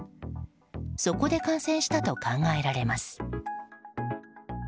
そこで感染したと考えられます。